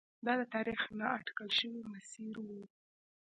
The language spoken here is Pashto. دا د تاریخ نا اټکل شوی مسیر و.